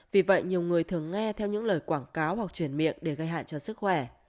vì vậy nhiều người thường nghe theo những lời quảng cáo hoặc chuyển miệng để gây hại cho sức khỏe